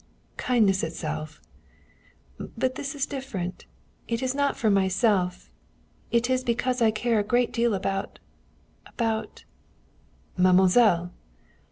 Kindness itself!" "But this is different. It is not for myself. It is because I care a great deal about about " "Mademoiselle!"